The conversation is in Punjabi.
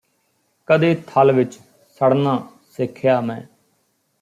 ਕਦੇ ਥਲ ਵਿੱਚ ਸੜਨਾਂ ਸਿੱਖਿਆ ਮੈਂ